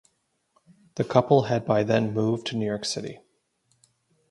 The couple had by then moved to New York City.